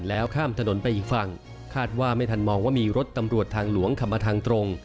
แล้วข้ามถนนไปอีกฝั่งคาดว่าไม่ทันมองว่ามีรถตำรวจทางหลวงขับมาทางตรง